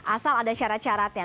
asal ada syarat syaratnya